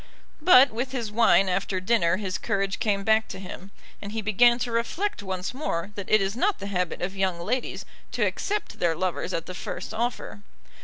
But with his wine after dinner his courage came back to him, and he began to reflect once more that it is not the habit of young ladies to accept their lovers at the first offer.